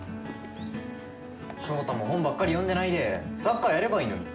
翔太も本ばっかり読んでいないでサッカーやればいいのに。